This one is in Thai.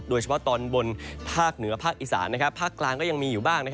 โดยเฉพาะตอนบนภาคเหนือภาคอีสานภาคกลางก็ยังมีอยู่บ้าง